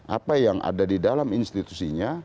apa yang ada di dalam institusinya